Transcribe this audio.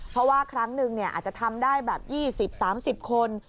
เพราะว่าครั้งหนึ่งอาจจะทำได้แบบ๒๐๓๐คน